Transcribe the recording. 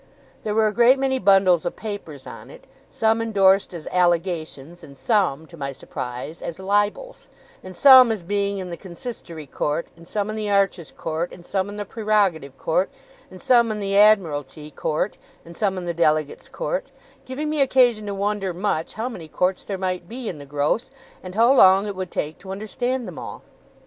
There were a great many bundles of papers on it, some endorsed as Allegations, and some (to my surprise) as Libels, and some as being in the Consistory Court, and some in the Arches Court, and some in the Prerogative Court, and some in the Admiralty Court, and some in the Delegates' Court; giving me occasion to wonder much, how many Courts there might be in the gross, and how long it would take to understand them all.